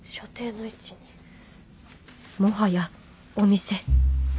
もはやお店。